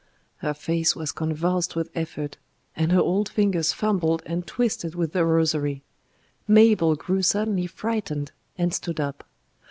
Her face was convulsed with effort, and her old fingers fumbled and twisted with the rosary. Mabel grew suddenly frightened, and stood up.